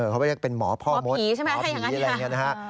เขาเรียกว่าเป็นหมอพ่อมดหมอผีใช่ไหมพี่อะไรอย่างนี้